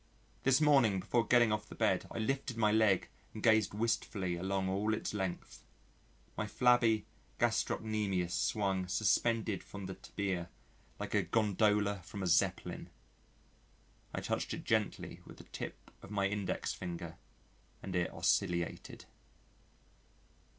This morning, before getting off the bed I lifted my leg and gazed wistfully along all its length. My flabby gastrocnemius swung suspended from the tibia like a gondola from a Zeppelin. I touched it gently with the tip of my index finger and it oscillated.